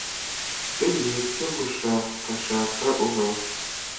nicyo gihe cyo gushakashaka Uhoraho,